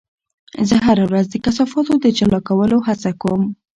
زه هره ورځ د کثافاتو د جلا کولو هڅه کوم.